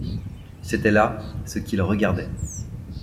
C’était là ce qu’il regardait.